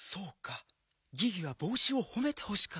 ギギはぼうしをほめてほしかったんだ。